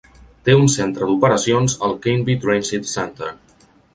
Té un centre d'operacions al Canby Transit Center.